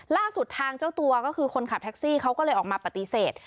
ล่าสุดทางเจ้าตัวก็คือคนขับแท็กซี่เขาก็เลยออกมาปฏิเสธ